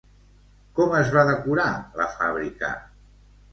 Com es va decorar la fàbrica?